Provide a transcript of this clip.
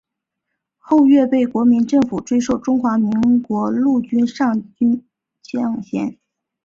后岳被国民政府追授中华民国陆军上将军衔。